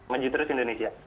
maju terus indonesia